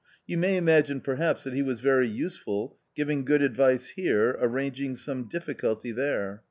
You may imagine perhaps that he was very useful, giving good advice here, arranging some difficulty there.